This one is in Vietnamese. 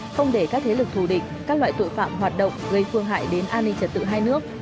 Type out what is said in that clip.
không để các thế lực thù địch các loại tội phạm hoạt động gây phương hại đến an ninh trật tự hai nước